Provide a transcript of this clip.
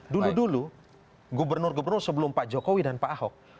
dulu dulu gubernur gubernur sebelum pak jokowi dan pak ahok